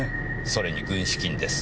それに軍資金です。